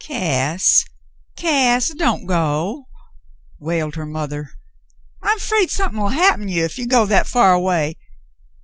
"Cass, Cass, don't go," wailed her mother. "I'm afraid somethin'll happen you if you go that far away.